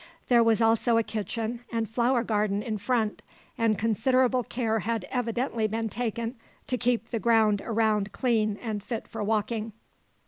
There was also a kitchen and flower garden in front, and considerable care had evidently been taken to keep the ground around clean and fit for walking.